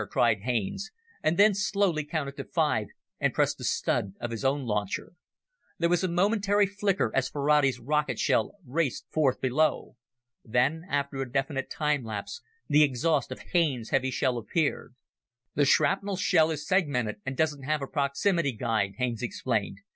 cried Haines, and then slowly counted to five and pressed the stud of his own launcher. There was a momentary flicker as Ferrati's rocket shell raced forth below. Then, after a definite time lapse, the exhaust of Haines' heavy shell appeared. "The shrapnel shell is segmented and doesn't have a proximity guide," Haines explained.